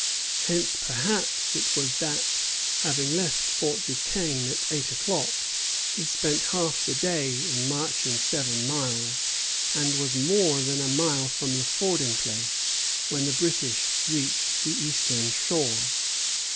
Hence perhaps it was that, having left Fort Duquesne at eight o'clock, he spent half the day in marching seven miles, and was more than a mile from the fording place when the British reached the eastern shore.